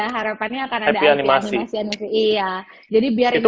harapannya akan ada ip animasi ya harapannya akan ada ip animasi